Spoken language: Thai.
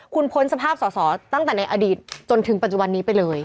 คุณพ้นสภาพสอสอตั้งแต่ในอดีตจนถึงปัจจุบันนี้ไปเลย